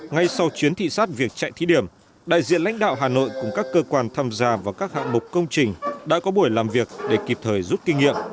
ngay sau chuyến thị sát việc chạy thí điểm đại diện lãnh đạo hà nội cùng các cơ quan tham gia vào các hạng mục công trình đã có buổi làm việc để kịp thời rút kinh nghiệm